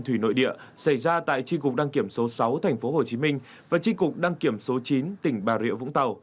thủy nội địa xảy ra tại tri cục đăng kiểm số sáu tp hcm và tri cục đăng kiểm số chín tỉnh bà rịa vũng tàu